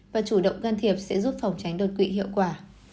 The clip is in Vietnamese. và chủ động can thiệp sẽ giúp phòng tránh đột quỵ hiệu quả